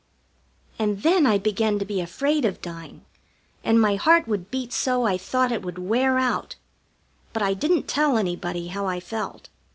And then I began to be afraid of dying, and my heart would beat so I thought it would wear out. But I didn't tell anybody how I felt.